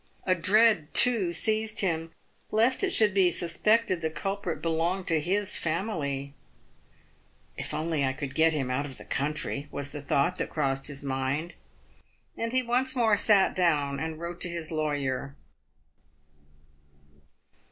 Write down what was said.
A dread, too, seized him, lest it should be suspected the culprit be longed to his family. " If I could only get him out of the country," was the thought that crossed his mind ; and he once more sat down and wrote to his lawyer.